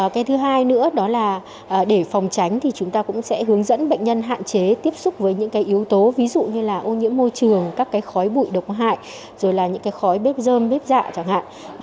cái thứ hai nữa đó là để phòng tránh thì chúng ta cũng sẽ hướng dẫn bệnh nhân hạn chế tiếp xúc với những cái yếu tố ví dụ như là ô nhiễm môi trường các cái khói bụi độc hại rồi là những cái khói bếp dơm bếp dạ chẳng hạn